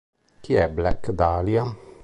Chi è Black Dahlia?